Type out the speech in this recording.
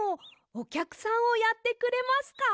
おきゃくさんをやってくれますか？